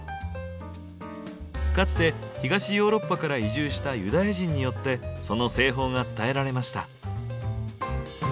かつて東ヨーロッパから移住したユダヤ人によってその製法が伝えられました。